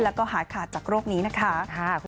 แล้วก็หายขาดจากโรคนี้นะคะ